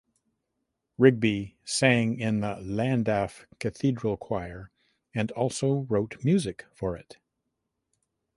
Rigby sang in the Llandaff Cathedral choir and also wrote music for it.